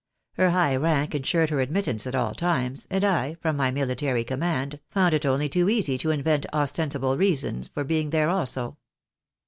Her high rank insured her admittance at all times, and I, from my miUtary command, found it only too easy to invent ostensible reasons for being there also.